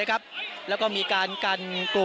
ไม่ทราบว่าตอนนี้มีการถูกยิงด้วยหรือเปล่านะครับ